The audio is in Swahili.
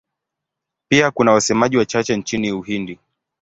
Pia kuna wasemaji wachache nchini Uhindi.